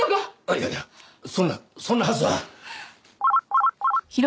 いやいやそんなそんなはずは。